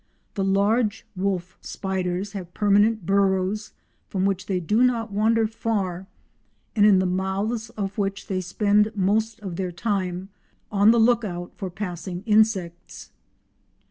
The large wolf spiders have permanent burrows from which they do not wander far and in the mouths of which they spend most of their time, on the look out for passing insects.